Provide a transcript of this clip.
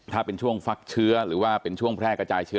ถ้าเป็นช่วงฟักเชื้อหรือว่าเป็นช่วงแพร่กระจายเชื้อ